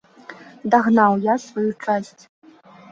Дагнаў я сваю часць.